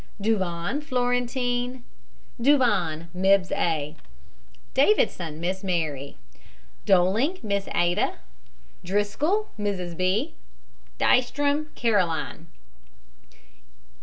DUVAN, FLORENTINE. DUVAN, MRS. A. DAVIDSON, MISS MARY. DOLING, MISS ADA. DRISCOLL, MRS. B. DEYSTROM, CAROLINE.